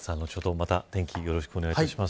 また天気よろしくお願いします。